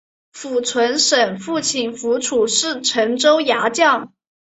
符存审父亲符楚是陈州牙将。